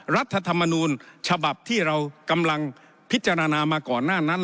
รัฐธรรมนูญฉบับที่เรากำลังพิจารณามาก่อนหน้านั้น